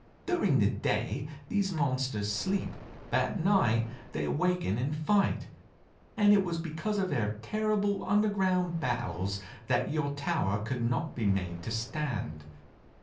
During the day these monsters sleep, but at night they awaken and fight; and it was because of their terrible underground battles that your tower could not be made to stand.